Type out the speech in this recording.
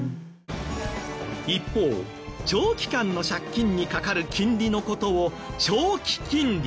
一方長期間の借金にかかる金利の事を「長期金利」といいます。